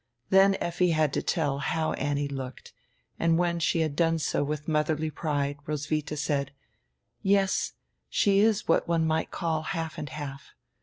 Then Effi had to tell how Annie looked and when she had done so with motherly pride Roswitha said: "Yes, she is what one might call half and half.